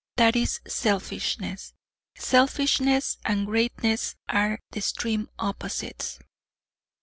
That is selfishness. Selfishness and greatness are the extreme opposites.